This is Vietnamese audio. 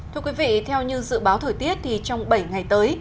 thưa quý vị theo như dự báo thời tiết thì trong bảy ngày tới